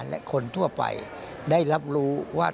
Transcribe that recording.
และคนทั่วไปได้รับรู้ว่า